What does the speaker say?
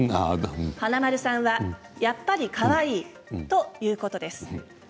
華丸さんはやっぱりかわいいということです。